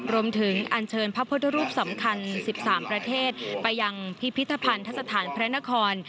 อันเชิญพระพุทธรูปสำคัญ๑๓ประเทศไปยังพิพิธภัณฑสถานพระนคร